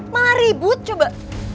malah ribut coba